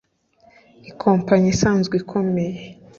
Ikompanyi isanzwe ikomeye